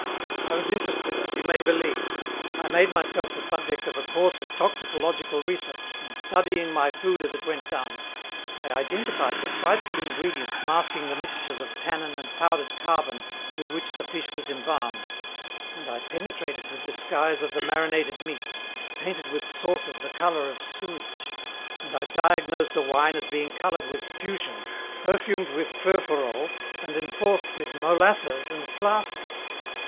"It was interested, as you may believe. I made myself the subject of a course of toxicological research, and, studying my food as it went down, I identified the frightful ingredients masking the mixtures of tannin and powdered carbon with which the fish was embalmed; and I penetrated the disguise of the marinated meats, painted with sauces the colour of sewage; and I diagnosed the wine as being coloured with fuscin, perfumed with furfurol, and enforced with molasses and plaster.